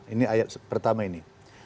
ini ayat pertama ini